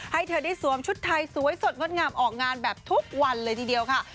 ให้เธอได้สวมชุดไทยสวยสดงดงามออกงานแบบทุกวันเลยทีเดียวค่ะ